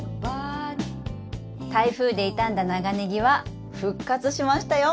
台風で傷んだ長ネギは復活しましたよ！